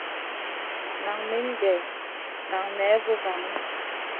Nan min gue nan ney vovanu.